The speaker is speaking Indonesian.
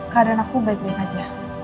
karena aku baik baik aja